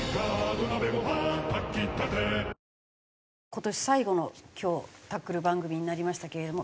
今年最後の今日『タックル』番組になりましたけれども。